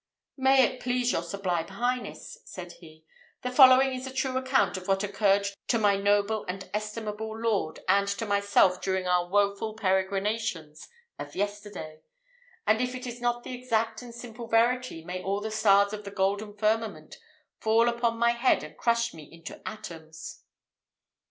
"May it please your sublime Highness," said he, "the following is a true account of what occurred to my noble and estimable lord, and to myself, during our woful peregrinations of yesterday; and if it is not the exact and simple verity, may all the stars of the golden firmament fall upon my head and crush me into atoms!"